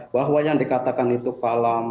bahwa yang dikatakan itu kolam